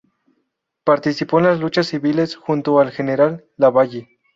Participó en las luchas civiles junto al general Lavalle.